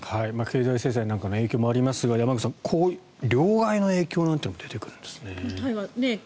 経済制裁なんかの影響もありますが山口さん、両替の影響なんて出てくるんですね。